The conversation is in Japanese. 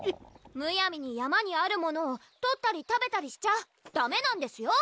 むやみに山にあるものをとったり食べたりしちゃダメなんですよ！